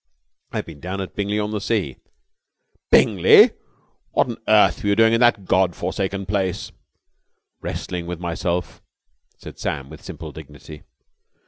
"I've been down at Bingley on the Sea." "Bingley! What on earth were you doing at that Godforsaken place?" "Wrestling with myself," said Sam with simple dignity.